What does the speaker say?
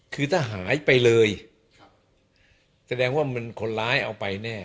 คือถ้าหายไปเลยแสดงว่ามันคนร้ายเอาไปแน่